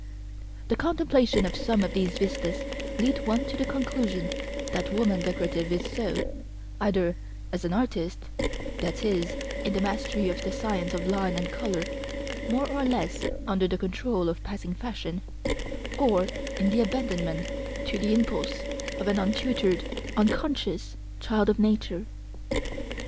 The contemplation of some of these vistas leads one to the conclusion that woman decorative is so, either as an artist (that is, in the mastery of the science of line and colour, more or less under the control of passing fashion), or in the abandonment to the impulse of an untutored, unconscious, child of nature.